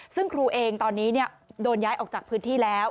ซึ่งครูเองตอนนี้โดนย้ายออกจากพื้นที่แล้ว